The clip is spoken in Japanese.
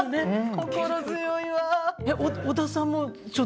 心強いわ！